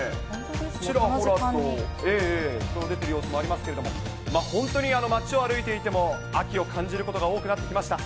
ちらほらと、人が出ている様子もありますけども、本当に街を歩いていても、秋を感じることが多くなってきました。